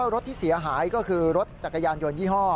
รถที่เสียหายก็คือรถจักรยานยนต์ยี่ห้อ